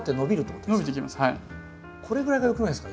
これぐらいがよくないですか？